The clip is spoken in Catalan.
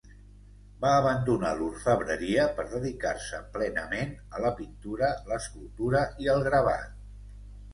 Va abandonar l'orfebreria per dedicar-se plenament a la pintura, l'escultura i el gravat.